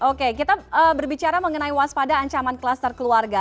oke kita berbicara mengenai waspada ancaman kluster keluarga